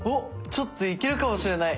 ちょっといけるかもしれない。